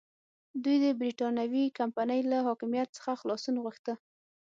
دوی د برېټانوي کمپنۍ له حاکمیت څخه خلاصون غوښته.